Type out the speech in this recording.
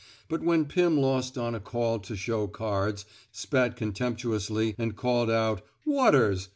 But when Pim lost on a call to show cards, spat contemptuously, and called out: Waters!